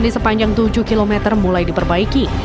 di sepanjang tujuh km mulai diperbaiki